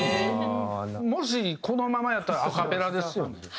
もしこのままやったらアカペラですよね。